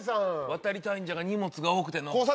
渡りたいんじゃが荷物が多くてのう。